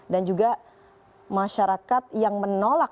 dan juga masyarakat yang menolak